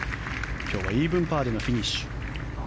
今日はイーブンパーでのフィニッシュ。